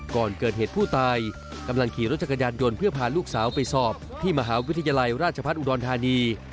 ก่อนเกิดเหตุผู้ตายกำลังขี่รถจักรยานยนต์เพื่อพาลูกสาวไปสอบที่มหาวิทยาลัยราชพัฒน์อุดรธานี